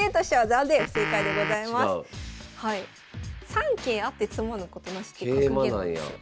「三桂あって詰まぬことなし」っていう格言なんですよ。